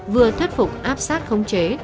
vừa thuyết phục áp sát khống chế